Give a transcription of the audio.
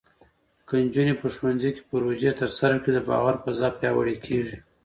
که نجونې په ښوونځي کې پروژې ترسره کړي، د باور فضا پیاوړې کېږي.